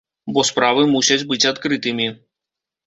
Бо справы мусяць быць адкрытымі.